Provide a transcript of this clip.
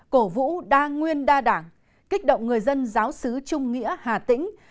cổ vũ đa nguyên đa đảng kích động người dân giáo sứ trung nghĩa hà tĩnh